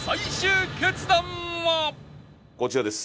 こちらです。